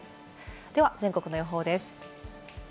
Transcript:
では全国の予報です。